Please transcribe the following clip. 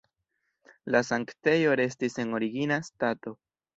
La sanktejo restis en origina stato.